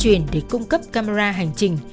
tuyên truyền để cung cấp camera hành trình